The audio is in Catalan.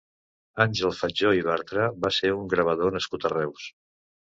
Àngel Fatjó i Bartra va ser un gravador nascut a Reus.